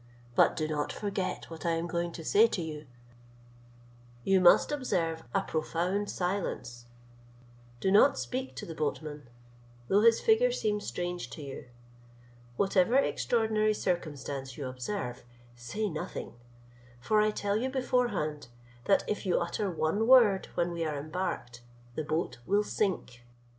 But do not forget what I am going to say to you: you must observe a profound silence: do not speak to the boatman, though his figure seem strange to you: whatever extraordinary circumstance you observe, say nothing; for I tell you beforehand, that if you utter one word when we are embarked, the boat will sink."